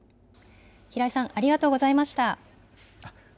平井さん、ありがとうございました。